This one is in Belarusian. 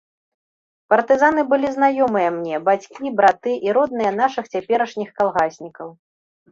Партызаны былі знаёмыя мне, бацькі, браты і родныя нашых цяперашніх калгаснікаў.